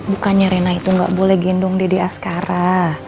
bukannya reina itu gak boleh gendong dada asgara